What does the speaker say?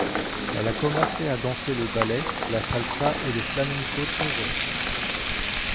Elle a commencé à danser le ballet, la salsa et le flamenco très jeune.